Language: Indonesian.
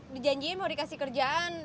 dijanjiin mau dikasih kerjaan